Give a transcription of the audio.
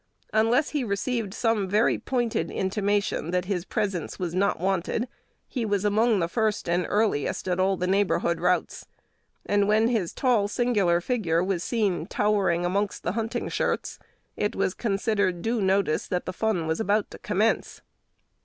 Unless he received some very pointed intimation that his presence was not wanted, he was among the first and earliest at all the neighborhood routs; and when his tall, singular figure was seen towering amongst the hunting shirts, it was considered due notice that the fun was about to commence.